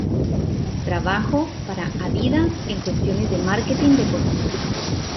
Trabajó para Adidas en cuestiones de Marketing Deportivo.